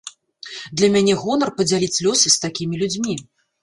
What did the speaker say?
Для мяне гонар падзяліць лёс з такімі людзьмі.